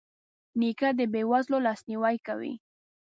نیکه د بې وزلو لاسنیوی کوي.